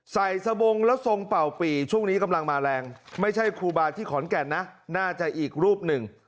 สบงแล้วทรงเป่าปีช่วงนี้กำลังมาแรงไม่ใช่ครูบาที่ขอนแก่นนะน่าจะอีกรูปหนึ่ง